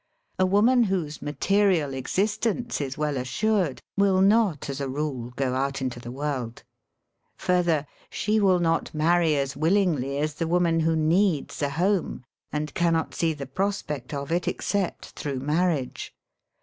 A woman whose material ex istence is well assured will not as a rule go out into the world. Further, she will not marry as willingly as the woman who needs a home and can not see the prospect of it except through mar riage.